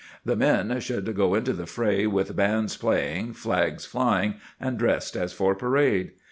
The men should go into the fray with bands playing, flags flying, and dressed as for parade.